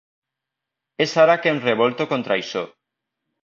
És ara que em revolto contra això.